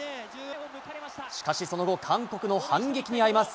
しかしその後、韓国の反撃にあいます。